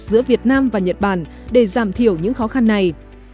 giữa việt nam và nhật bản để giảm thiểu những khó khăn này